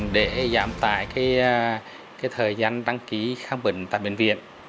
để giảm tải thời gian đăng ký khám bệnh tại bệnh viện